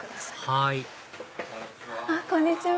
はいこんにちは。